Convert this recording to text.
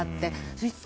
そして